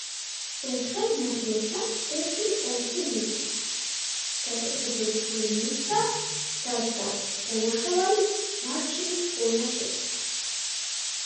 ერთხელ მეხილესთან ერთი მწყემსი მივიდა, დაწესებული ფული მისცა, დაჯდა და ნახევარი მარჩილის ხურმა შეჭამა.